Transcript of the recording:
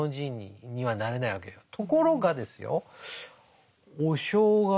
ところがですよお正月